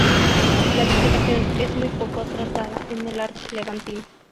La vegetación es muy poco tratada en el arte levantino.